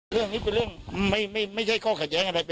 เรื่องนี้เป็นเรื่องไม่ใช่ข้อขัดแย้งอะไร